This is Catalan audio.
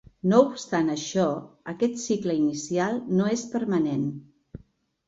No obstant això, aquest cicle inicial no és permanent.